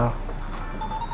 aku kalau di bar man